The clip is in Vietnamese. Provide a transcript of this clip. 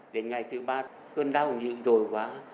đến ngày thứ ba cơn đau dữ dội quá